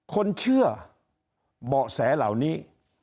คนเชื่อเบาะแสเหล่านี้